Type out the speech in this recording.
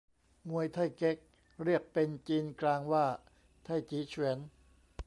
มวยไท่เก๊ก เรียกเป็นจีนกลางว่าไท่จี๋เฉวียน